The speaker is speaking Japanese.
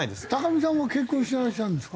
見さんは結婚してらっしゃるんですか？